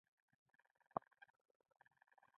زه پر تاجک د پښتون په توګه برتري نه غواړم.